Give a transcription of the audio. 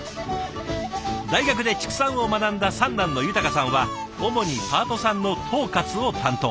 大学で畜産を学んだ三男の優さんは主にパートさんの統括を担当。